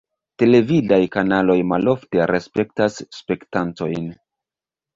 Televidaj kanaloj malofte respektas spektantojn.